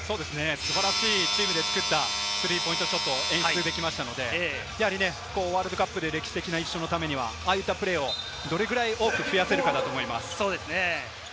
素晴らしいチームで作ったスリーポイントショットを演出できましたので、ワールドカップで歴史的な１勝のためにああいったプレーをどれくらい多く増やせるかだと思います。